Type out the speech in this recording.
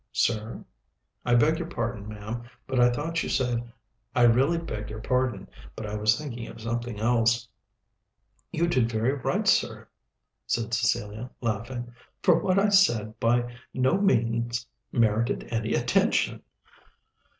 "Sir?" "I beg your pardon, ma'am, but I thought you said I really beg your pardon, but I was thinking of something else." "You did very right, sir," said Cecilia, laughing, "for what I said by no means merited any attention."